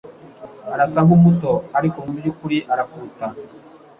arasa nkumuto, ariko mubyukuri arakuruta